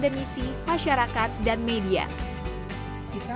jernjen cipta karya diana kusuma stuti mengatakan